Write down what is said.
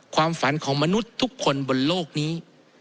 ความฝันของมนุษย์ทุกคนบนโลกนี้